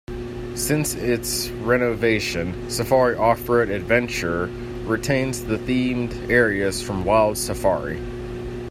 Since its renovation, Safari Off Road Adventure retains the themed areas from Wild Safari.